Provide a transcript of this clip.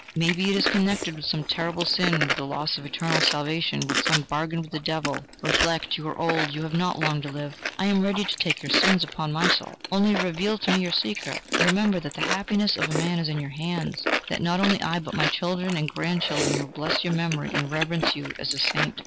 May be it is connected with some terrible sin with the loss of eternal salvation, with some bargain with the devil... Reflect, you are old; you have not long to live I am ready to take your sins upon my soul. Only reveal to me your secret. Remember that the happiness of a man is in your hands, that not only I, but my children, and grandchildren will bless your memory and reverence you as a saint..."